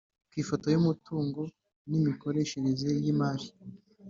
Ku ifoto y umutungo n imikoreshereze y imari